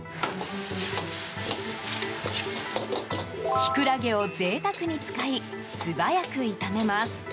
キクラゲを贅沢に使い素早く炒めます。